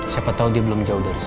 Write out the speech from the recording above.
siapa tau dia belum jauh dari sini